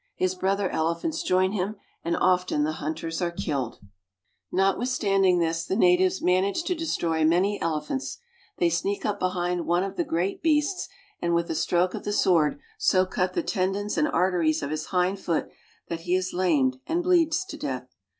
His brother elephants join him, and often the hunters are killed. ELEPHANTS AND IVORY •ISS ^^^H^ Notwithstanding this, the natives manage to destroy ^^^^many elephants. They sneak up behind one of the I great beasts, and with a stroke of the sword so cut the tendons and arteries of his hind foot that he is lamed iand bleeds to death.